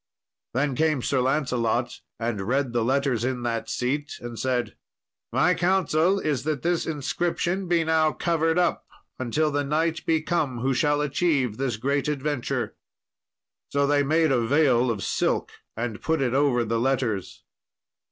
Then came Sir Lancelot and read the letters in that seat, and said, "My counsel is that this inscription be now covered up until the knight be come who shall achieve this great adventure." So they made a veil of silk and put it over the letters.